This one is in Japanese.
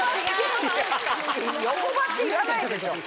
横歯っていわないでしょ。